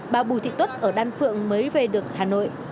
bà bùi thị tuất ở đan phượng mới về được hà nội